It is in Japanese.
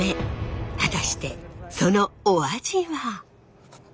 果たしてそのお味は？